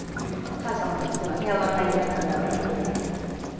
お母様としてはねおわかりになっただろうからね。